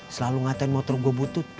selalu ngatain motor gue butuh